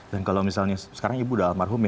dan kalau misalnya sekarang ibu sudah almarhum ya